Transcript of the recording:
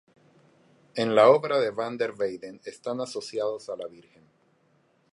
En la obra de van der Weyden están asociados a la Virgen.